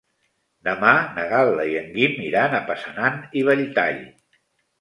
Demà na Gal·la i en Guim iran a Passanant i Belltall.